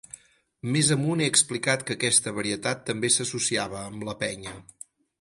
Més amunt he explicat que aquesta varietat també s'associava amb la penya.